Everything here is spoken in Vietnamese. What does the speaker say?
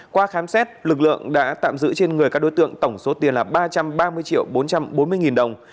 qua khám xét lực lượng đã tạm giữ trên người các đối tượng tổng số tiền là ba trăm ba mươi triệu bốn trăm bốn mươi nghìn đồng